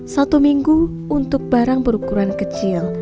satu minggu untuk barang berukuran kecil